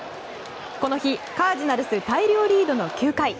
この日、カージナルス大量リードの９回。